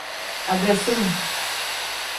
Ade sim.